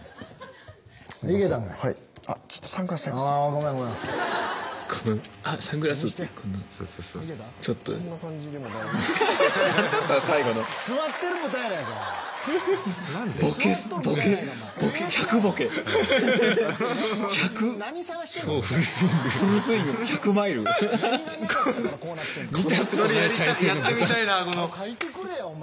早描いてくれよお前。